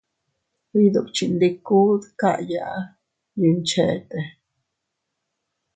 Iydukchindiku dkayaa yuncheete.